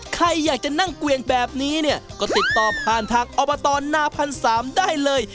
ใครอยากจะนั่งเกวียงแบบนี้เนี่ยก็ติดต่อผ่านทางอบตนาพันสามได้เลย